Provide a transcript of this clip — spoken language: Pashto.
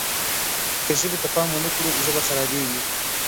که ژبې ته پام ونه کړو ژبه خرابېږي.